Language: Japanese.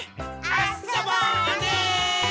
あそぼうね！